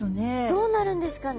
どうなるんですかね？